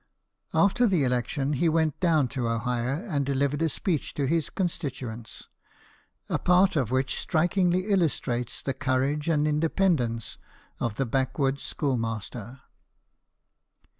After the election he went down to Ohio and delivered a speech to his constituents, a part of which strikingly illustrates the courage and independence of the backwoods schoolmaster.